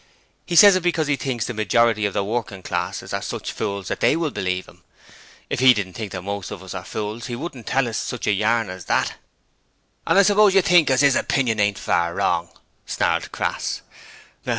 He says it because he thinks the majority of the working classes are such fools that they will believe him. If he didn't think that most of us are fools he wouldn't tell us such a yarn as that.' 'And I suppose you think as 'is opinion ain't far wrong,' snarled Crass.